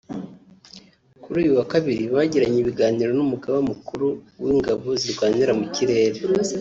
Kuri uyu wa kabiri bagiranye ibiganiro n’Umugaba Mukuru w’Ingabo zirwanira mu kirere